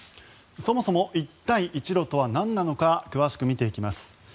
そもそも一帯一路とは何なのか詳しく見ていきます。